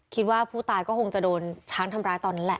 คิดว่าผู้ตายก็คงจะโดนช้างทำร้ายตอนนั้นแหละ